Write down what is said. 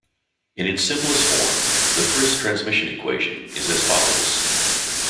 In its simplest form, the Friis transmission equation is as follows.